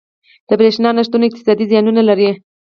• د برېښنا نه شتون اقتصادي زیانونه لري.